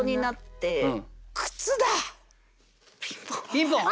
ピンポン。